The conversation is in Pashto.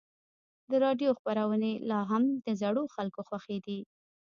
د راډیو خپرونې لا هم د زړو خلکو خوښې دي.